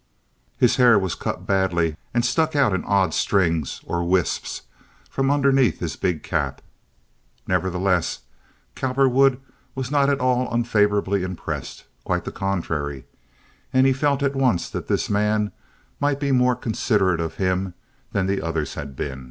His hair was cut badly and stuck out in odd strings or wisps from underneath his big cap. Nevertheless, Cowperwood was not at all unfavorably impressed—quite the contrary—and he felt at once that this man might be more considerate of him than the others had been.